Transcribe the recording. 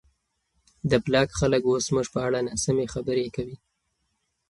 د بلاک خلک اوس زموږ په اړه ناسمې خبرې کوي.